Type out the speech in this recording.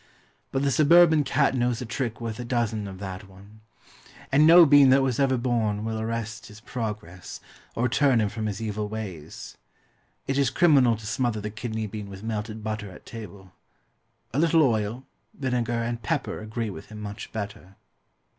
But the suburban cat knows a trick worth a dozen of that one; and no bean that was ever born will arrest his progress, or turn him from his evil ways. It is criminal to smother the kidney bean with melted butter at table. A little oil, vinegar, and pepper agree with him much better.